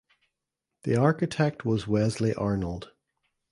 The architect was Wesley Arnold.